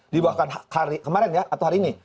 di bahkan hari kemarin ya atau hari ini